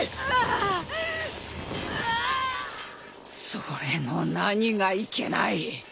それの何がいけない。